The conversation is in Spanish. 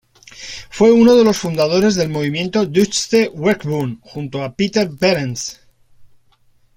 Fue uno de los fundadores del movimiento Deutsche Werkbund, junto con Peter Behrens.